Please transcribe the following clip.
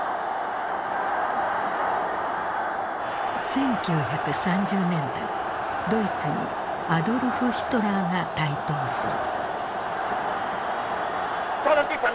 １９３０年代ドイツにアドルフ・ヒトラーが台頭する。